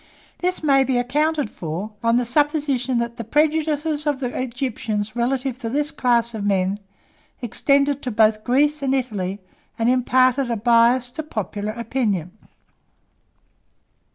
This may be accounted for, on the supposition that the prejudices of the Egyptians relative to this class of men, extended to both Greece and Italy, and imparted a bias to popular opinion.